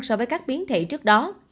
so với các biến thể trước đó